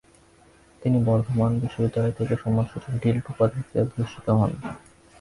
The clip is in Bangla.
তিনি বর্ধমান বিশ্ববিদ্যালয় থেকে সম্মানসূচক ডি.লিট. উপাধিতে ভূষিত হন।